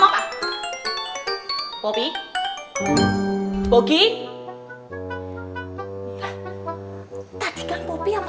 tapi tapi tungguin